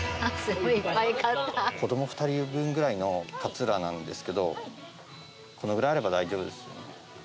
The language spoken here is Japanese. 子ども２人分ぐらいのかつらなんですけどこのぐらいあれば大丈夫ですよね？